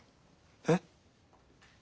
えっ？